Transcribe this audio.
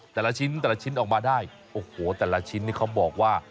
แต่ละชิ้นออกมาได้แต่ละชิ้นนี่เขาบอกว่า